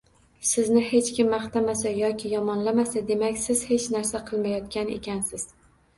Sizni hech kim maqtamasa yoki yomonlamasa, demak, siz hech narsa qilmayotgan ekansiz.